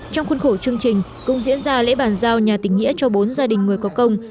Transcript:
trong khuôn khổ chương trình cũng diễn ra lễ bàn giao nhà tình nghĩa cho bốn gia đình người có công